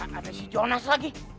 ada si jonas lagi